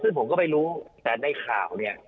ซึ่งผมก็ไม่รู้แต่ในข่าวเนี่ย